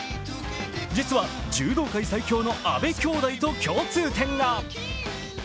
実は柔道界最強の阿部きょうだいと共通点が。